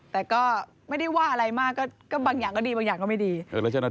โต๊ะถือว่าโอเคครับแต่ว่าฉากผมว่ามันก็แปลกครับ